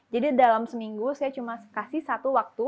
jadi dalam seminggu saya cuma kasih satu waktu